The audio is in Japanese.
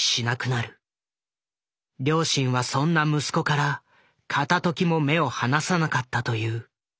両親はそんな息子から片ときも目を離さなかったという。